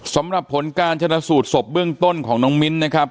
สำหรับผลการชนะสูตรศพเบื้องต้นของน้องมิ้นนะครับ